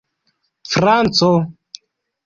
franco